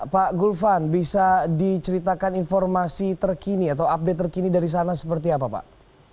pak gulvan bisa diceritakan informasi terkini atau update terkini dari sana seperti apa pak